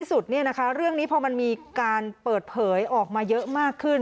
สุดเรื่องนี้พอมันมีการเปิดเผยออกมาเยอะมากขึ้น